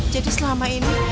jadi selama ini